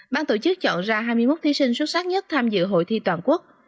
ban tổ chức chọn ra hai mươi một thí sinh xuất sắc nhất tham dự hội thi toàn quốc